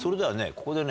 ここでね